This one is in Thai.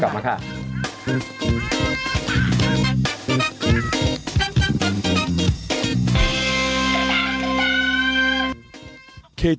กลับมาค่ะ